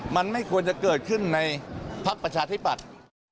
มันไม่ควรจะเกิดขึ้นในพักประชาธิปัตย์